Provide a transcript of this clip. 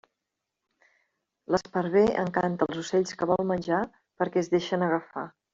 L'esparver encanta els ocells que vol menjar perquè es deixen agafar.